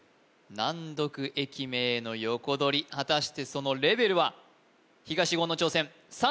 難読駅名のヨコドリ果たしてそのレベルは東言の挑戦